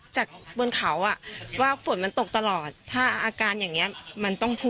จากบนเขาอ่ะว่าฝนมันตกตลอดถ้าอาการอย่างนี้มันต้องพูด